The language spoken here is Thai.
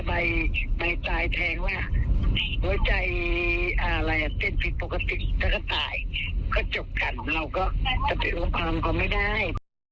ไปตายแทงว่าหัวใจเต้นฟิตปกติถ้าก็ตายก็จบกันเราก็สะเตียงความกว่าไม่ได้